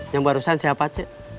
yang barusan siapa cik